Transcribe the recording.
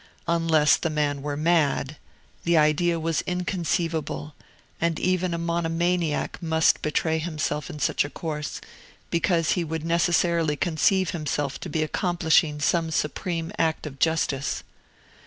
Unless the man were mad, the idea was inconceivable; and even a monomaniac must betray himself in such a course, because he would necessarily conceive himself to be accomplishing some supreme act of justice.